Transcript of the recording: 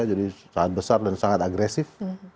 jadi sangat besar dan sangat agresif